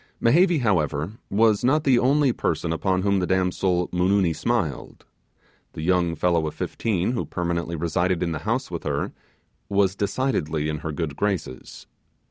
Mehevi, however, was not the only person upon whom the damsel Moonoony smiled the young fellow of fifteen, who permanently resided in the home with her, was decidedly in her good graces.